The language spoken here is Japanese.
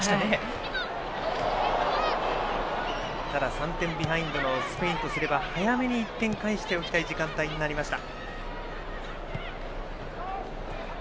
３点ビハインドのスペインからすれば早めに１点返しておきたい時間帯になりました。